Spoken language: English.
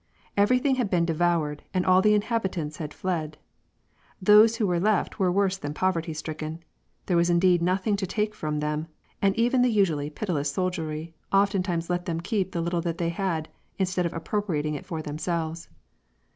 Everything had been devoured, and all the inhabitants had fled. Those who were left were worse than poverty stricken : there was indeed nothing to take from them, and even the usually pitiless soldiery oftentimes let them keep the little that they had, instead of appropriating it for themselves.